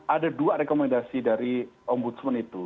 ada dua rekomendasi dari ombudsman itu